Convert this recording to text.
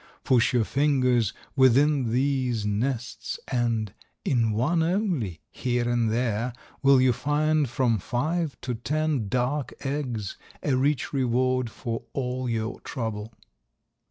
Push your fingers within these nests and in one only, here and there, will you find from five to ten dark eggs, a rich reward for all your trouble.